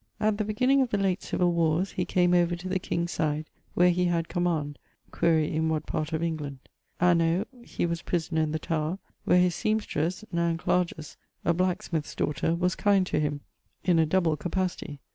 At the beginning of the late civill warres, he came over to the king's side, where he had command (quaere in what part of England). Anno ... he was prisoner in the Tower, where his semstres, Nan Cl (a blacksmith's[XXVII.] daughter), was kind to him; in a double capacity.